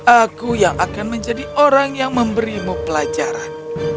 aku yang akan menjadi orang yang memberimu pelajaran